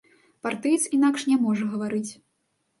Партыец інакш не можа гаварыць.